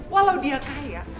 walau dia kaya